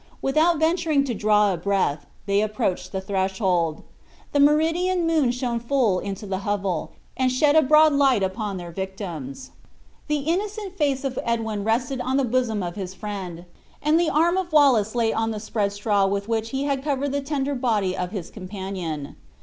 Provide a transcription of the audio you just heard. Without venturing to draw a breath, they approached the threshold. The meridian moon shone full into the hovel, and shed a broad light upon their victims. The innocent face of Edwin rested on the bosom of his friend, and the arm of Wallace lay on the spread straw with which he had covered the tender body of his companion.